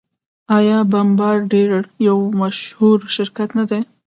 آیا بمبارډیر یو مشهور شرکت نه دی؟